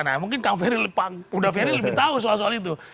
nah mungkin kang ferry lebih tahu soal soal itu